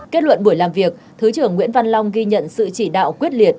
kết luận buổi làm việc thứ trưởng nguyễn văn long ghi nhận sự chỉ đạo quyết liệt